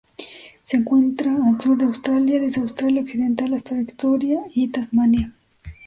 Se encuentra al sur de Australia: desde Australia Occidental hasta Victoria y Tasmania.